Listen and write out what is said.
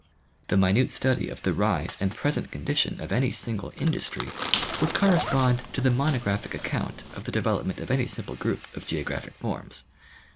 The minute study of the rise and present condition of any single industry would correspond to the monographic account of the development of any simple group of geographic forms.